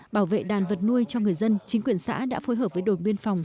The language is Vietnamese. bảo vệ đàn vật nuôi cho người dân chính quyền xã đã phối hợp với đồn biên phòng